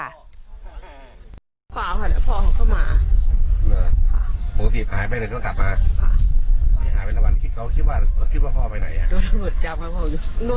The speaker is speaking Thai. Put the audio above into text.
ตื่นวันไม่น่าจะเลนนกไปหรอ